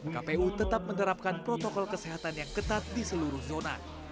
kpu tetap menerapkan protokol kesehatan yang ketat di seluruh zona